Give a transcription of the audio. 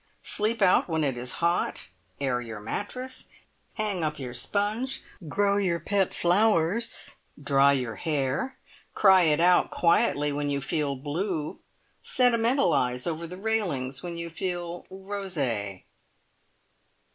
Sleep out when it is hot. Air your mattress. Hang up your sponge. Grow your pet flowers. Dry your hair. Cry it out quietly when you feel blue. Sentimentalise over the railings when you feel rose."